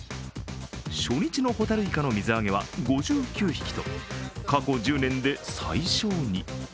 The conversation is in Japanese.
初日のホタルイカの水揚げは５９匹と過去１０年で最少に。